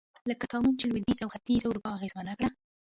لکه طاعون چې لوېدیځه او ختیځه اروپا اغېزمن کړه.